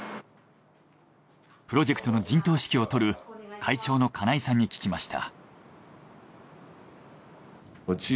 プロジェクトの陣頭指揮を執る会長の金井さんに聞きました。